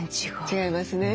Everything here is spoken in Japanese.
違いますね。